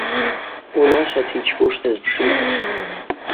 Унашвата йчпуш дазпшитӏ.